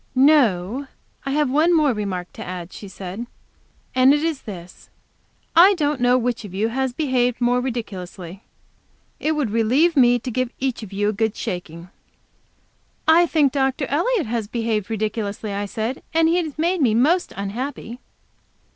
"No, I have one more remark to add," she said, "and it is this: I don't know which of you has behaved most ridiculously. It would relieve me to give you each a good shaking." "I think Dr. Elliot has behaved ridiculously," I said, "and he has made me most unhappy."